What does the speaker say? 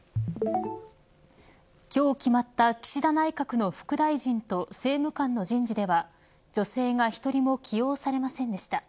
今日決まった岸田内閣の副大臣と政務官の人事では女性が１人も起用されませんでした。